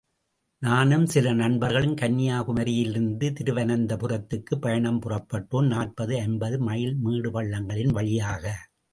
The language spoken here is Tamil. நானும் சில நண்பர்களும் கன்னியா குமரியிலிருந்து திருவனந்தபுரத்துக்குப் பயணம் புறப்பட்டோம், நாற்பது ஐம்பது மைல் மேடு பள்ளங்களின் வழியாக.